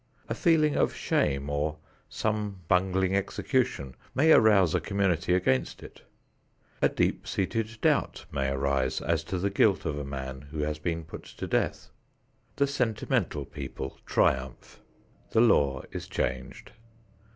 A feeling of shame or some bungling execution may arouse a community against it. A deep seated doubt may arise as to the guilt of a man who has been put to death. The sentimental people triumph. The law is changed.